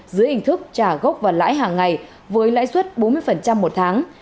dưới hình thức trả gốc và lãi hàng ngày với lãi suất bốn mươi một tháng